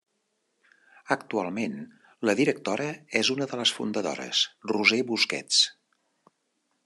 Actualment la directora és una de les fundadores, Roser Busquets.